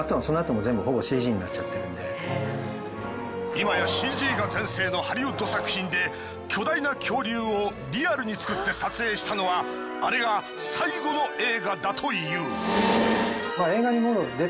いまやＣＧが全盛のハリウッド作品で巨大な恐竜をリアルに造って撮影したのはあれが最後の映画だという。